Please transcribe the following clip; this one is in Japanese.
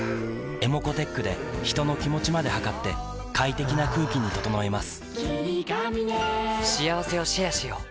ｅｍｏｃｏーｔｅｃｈで人の気持ちまで測って快適な空気に整えます